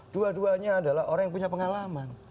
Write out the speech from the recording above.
dua duanya adalah orang yang punya pengalaman